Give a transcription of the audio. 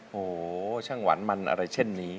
โหช่างหวานมันอะไรเช่นนี้